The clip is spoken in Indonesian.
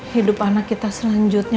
hidup anak kita selanjutnya